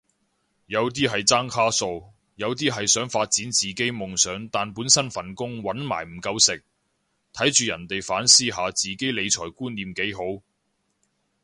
有啲係爭卡數，有啲係想發展自己夢想但本身份工搵埋唔夠食，睇住人哋反思下自己理財觀念幾好